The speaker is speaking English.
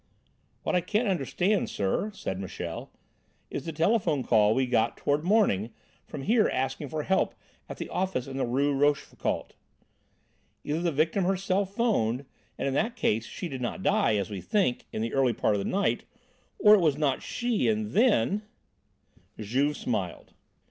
"What I can't understand, sir," said Michel, "is the telephone call we got toward morning from here asking for help at the office in the Rue Rochefoucauld. Either the victim herself 'phoned, and in that case she did not die, as we think, in the early part of the night, or it was not she, and then " Juve smiled.